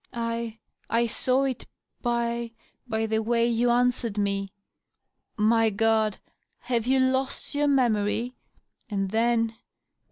I — I saw it by — ^by the way you answered me. ., My Grod ! have you hd your memory? And then